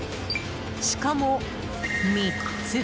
しかも３つ。